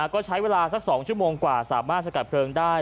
ก็ใช้เวลาสัก๒ชั่วโมงกว่าสามารถสกัดเพลิงได้